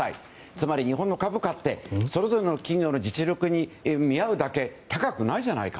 つまり、日本の株価ってそれぞれの企業の実力に見合うだけ高くないじゃないか。